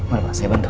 oke pak saya bantu